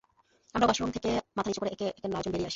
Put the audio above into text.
আমরা ওয়াশরুম থেকে মাথা নিচু করে একে একে নয়জন বেরিয়ে আসি।